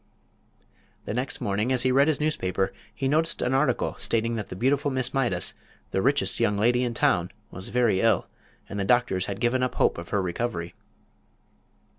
The next morning, as he read his newspaper, he noticed an article stating that the beautiful Miss Mydas, the richest young lady in town, was very ill, and the doctors had given up hope of her recovery.